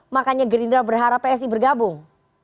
makanya gerindra berharap psi bergabung